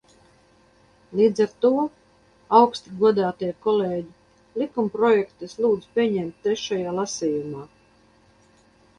Līdz ar to, augsti godātie kolēģi, likumprojektu es lūdzu pieņemt trešajā lasījumā.